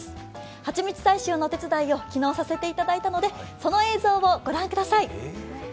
蜂蜜採取のお手伝いを昨日、させていただいたのでその映像を御覧ください。